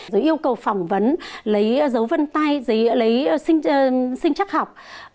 rồi yêu cầu phỏng vấn lấy dấu vân tay lấy sinh chắc học